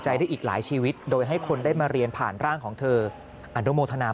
ได้อีกหลายชีวิตโดยให้คนได้มาเรียนผ่านร่างของเธออนุโมทนา